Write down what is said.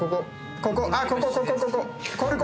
ここ！